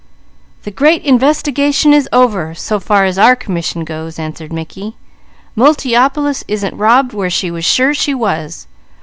"The great investigation is over, so far as our commission goes," answered Mickey. "Multiopolis isn't robbed where she was sure she was.